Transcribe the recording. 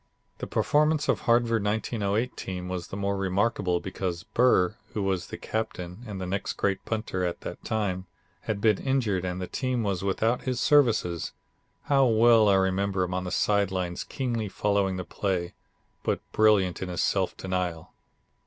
The performance of the Harvard 1908 team was the more remarkable because Burr, who was the captain and the great punter at that time, had been injured and the team was without his services. How well I remember him on the side lines keenly following the play, but brilliant in his self denial.